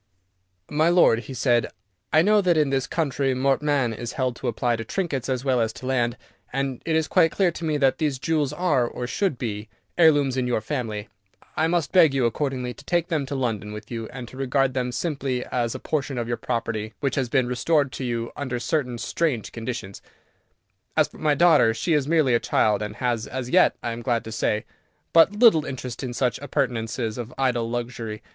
"My lord," he said, "I know that in this country mortmain is held to apply to trinkets as well as to land, and it is quite clear to me that these jewels are, or should be, heirlooms in your family. I must beg you, accordingly, to take them to London with you, and to regard them simply as a portion of your property which has been restored to you under certain strange conditions. As for my daughter, she is merely a child, and has as yet, I am glad to say, but little interest in such appurtenances of idle luxury.